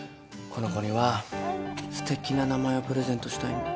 この子にはすてきな名前をプレゼントしたいんだ。